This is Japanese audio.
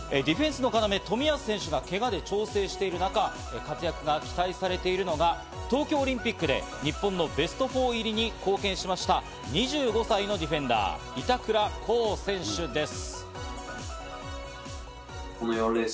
ディフェンスの要、冨安選手がけがで調整している中、活躍が期待されているのが東京オリンピックで日本のベスト４入りに貢献しました２５歳のディフェンダー・板倉滉選手です。